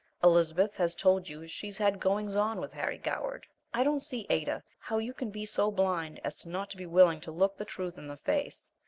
Elizabeth has told you she's had goings on with Harry Goward. I don't see, Ada, how you can be so blind as not to be willing to look the truth in the face.